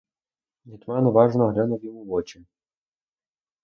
Гетьман уважно глянув йому в очі.